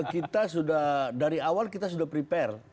kita sudah dari awal kita sudah prepare